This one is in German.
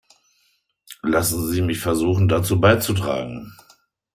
Lassen Sie mich versuchen, dazu beizutragen.